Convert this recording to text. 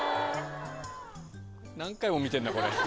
何回も見てんなこれ。